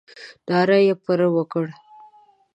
ناره یې پر وکړه.